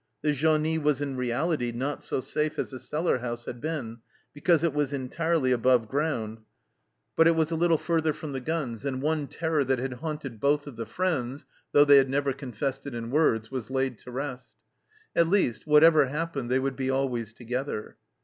The genie was in reality not so safe as the cellar house had been, because it was entirely above ground, but it 200 THE CELLAR HOUSE OF PERVYSE was a little further from the guns, and one terror that had haunted both of the friends, though they had never confessed it in words, was laid to rest. At least, whatever happened, they would be always together.